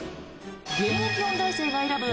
現役音大生が選ぶ